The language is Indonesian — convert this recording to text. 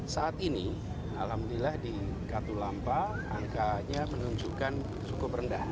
saat ini alhamdulillah di katulampa angkanya menunjukkan cukup rendah